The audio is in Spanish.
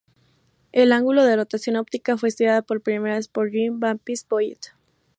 El ángulo de rotación óptica fue estudiada por primera vez por Jean Baptiste Biot.